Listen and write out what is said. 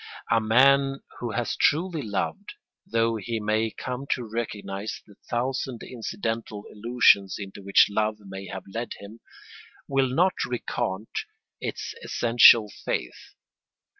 A man who has truly loved, though he may come to recognise the thousand incidental illusions into which love may have led him, will not recant its essential faith.